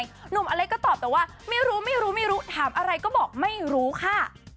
หนุ่มอเล็กก็ตอบแต่ว่าไม่รู้ไม่รู้ถามอะไรก็บอกไม่รู้ค่ะ